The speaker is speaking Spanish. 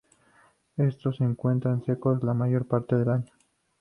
Estos se encuentran secos la mayor parte del año.